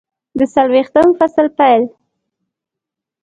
د څلویښتم فصل پیل